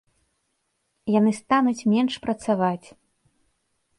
Яны стануць менш працаваць.